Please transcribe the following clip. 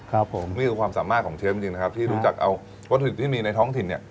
ครับผมนี่คือความสามารถของเชฟจริงนะครับที่รู้จักเอาวัตถุที่มีในท้องถิ่นเนี่ย